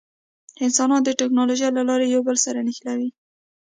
انسانان د ټکنالوجۍ له لارې یو بل سره نښلي.